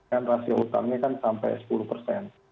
satu rasio utangnya kan sampai sepuluh